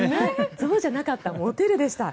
象じゃなかったモテるでした。